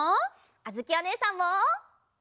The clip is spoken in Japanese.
あづきおねえさんも！